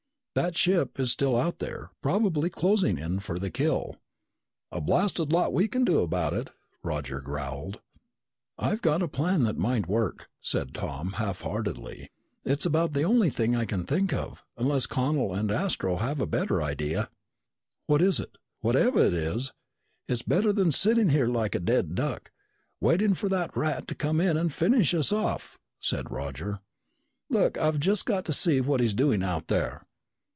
"That ship is still out there, probably closing in for the kill." "A blasted lot we can do about it," Roger growled. "I've got a plan that might work," said Tom half heartedly. "It's about the only thing I can think of, unless Connel and Astro have a better idea." "What is it? Whatever it is, it's better than sitting here like a dead duck, waiting for that rat to come in and finish us off!" said Roger. "Look, I've just got to see what he's doing out there."